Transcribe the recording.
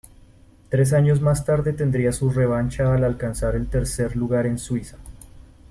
Tres años más tarde tendría su revancha al alcanzar el tercer lugar en Suiza.